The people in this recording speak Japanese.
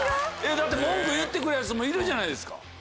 だって文句言って来るヤツもいるじゃないですか。